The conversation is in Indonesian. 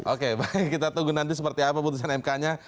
oke baik kita tunggu nanti seperti apa putusan mk nya